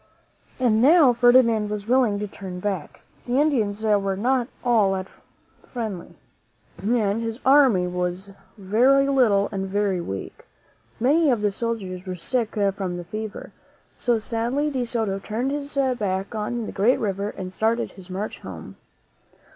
And now Ferdinand was willing to turn back. The Indians were not at all friendly, and his army was very little and very weak. Many of the soldiers were sick from the fever; so sadly De Soto turned his back on the great river and started his march home.